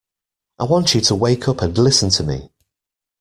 I want you to wake up and listen to me